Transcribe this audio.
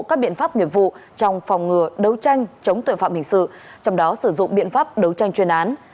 các biện pháp nghiệp vụ trong phòng ngừa đấu tranh chống tội phạm hình sự trong đó sử dụng biện pháp đấu tranh chuyên án